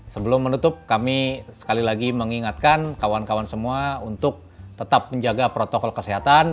sebelum menutup kami sekali lagi mengingatkan kawan kawan semua untuk tetap menjaga protokol kesehatan